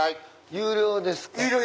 有料ですか？